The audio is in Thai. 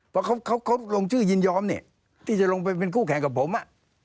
เพราะเขาลงชื่อยินยอมเนี่ยที่จะลงไปเป็นคู่แข่งกับผม